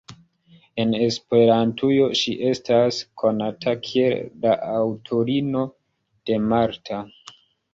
En Esperantujo ŝi estas konata kiel la aŭtorino de "Marta.